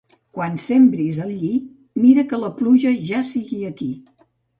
Quan sembris el lli, mira que la pluja ja sigui aquí.